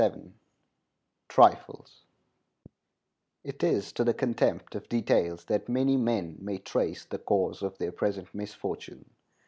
] It is to the contempt of details that many men may trace the cause of their present misfortune.